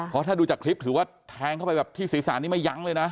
เพราะถ้าดูจากคลิปถือว่าแทงเข้าไปแบบที่ศีรษะนี้ไม่ยั้งเลยนะ